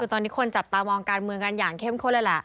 ตอนนี้คนจับตามองการเมืองกันอย่างเข้มข้นเลยล่ะ